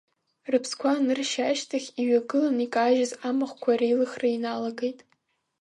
Рыԥсқәа аныршьа ашьҭахь, иҩагылан икажьыз амахәқәа реилыхра иналагеит.